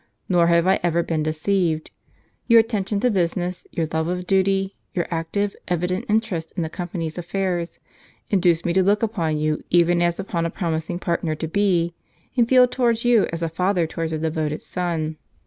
Nor have I ever been deceived. Your attention to business, your love of duty, your active, evident interest in the Com¬ pany's affairs, induce me to look upon you even as upon a promising partner to be and feel towards you as a father towards a devoted son.